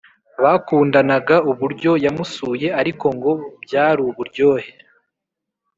bakundanaga uburyo yamusuye ariko ngo byaruburyohe